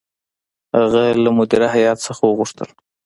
هغه له مدیره هیات څخه وغوښتل.